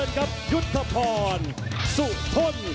สวัสดีทุกคน